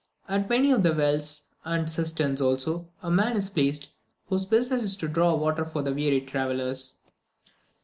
At many of the wells, and cisterns also, a man is placed, whose business it is to draw water for the weary travellers.